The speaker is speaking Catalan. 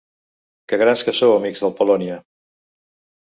Que grans que sou amics del Polònia!